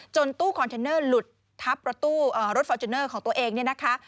ตู้คอนเทนเนอร์หลุดทับรถฟอร์จูเนอร์ของตัวเองเนี่ยนะคะ